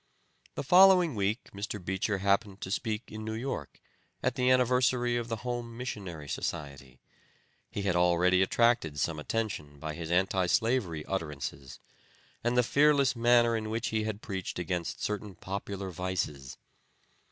The following week Mr. Beecher happened to speak in New York, at the anniversary of the Home Missionary Society. He had already attracted some attention by his anti slavery utterances, and the fearless manner in which he had preached against certain popular vices.